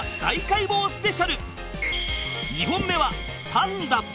２本目は「パンダ」